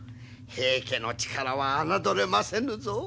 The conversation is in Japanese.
平家の力は侮れませぬぞ。